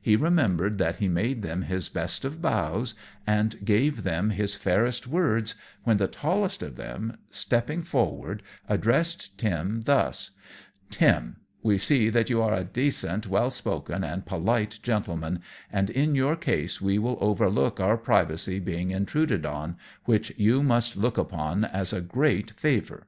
He remembered that he made them his best of bows, and gave them his fairest words, when the tallest of them, stepping forward, addressed Tim thus: "Tim, we see that you are a decent, well spoken, and polite gentleman, and in your case we will overlook our privacy being intruded on, which you must look upon as a great favour."